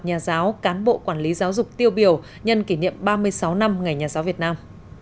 nhà giáo cán bộ quản lý giáo dục tiêu biểu nhân kỷ niệm ba mươi sáu năm ngày nhà giáo việt nam